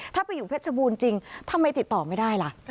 ถ้าไปอยู่เพชรบูรณ์จริงทำไมติดต่อไม่ได้ล่ะ